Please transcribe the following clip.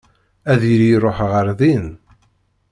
Ad yili iruḥ ɣer din.